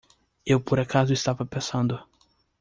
Eu por acaso estava passando.